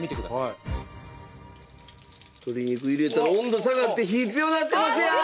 鶏肉入れた温度下がって火強なってますやん！